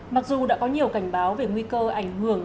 mặc dù đã có nhiều cảnh báo về nguy cơ ảnh hưởng